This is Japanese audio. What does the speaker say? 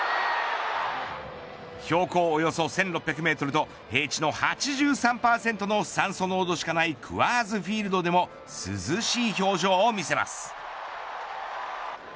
標高およそ１６００メートルと平地の８３％の酸素濃度しかないクアーズフィールドでも涼しい表情を見せます。